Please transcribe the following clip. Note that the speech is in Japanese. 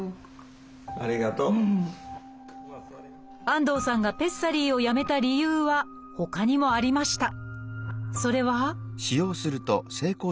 安藤さんがペッサリーをやめた理由はほかにもありました。